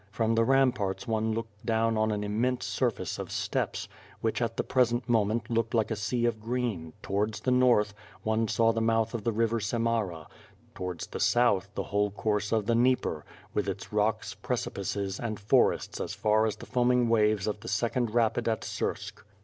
From the ramparts one looked down WITH FIRE AND HWORD. tij on an immense surface of steppes, which at the present mo ment looked like a sea of green; towards the north, one saw the mouth of the River Samara; towards the south, the whole course of the Dnieper, with its rocks, precipices, and forests as far as the foaming waves of the second rapid at Sursk.